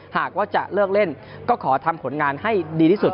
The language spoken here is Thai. หากว่าจะเลิกเล่นก็ขอทำผลงานให้ดีที่สุด